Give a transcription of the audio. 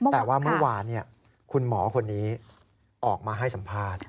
แต่ว่าเมื่อวานคุณหมอคนนี้ออกมาให้สัมภาษณ์